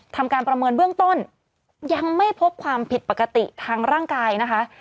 ทำการประเมินเบื้องต้นยังไม่พบความผิดปกติทางร่างกายนะคะ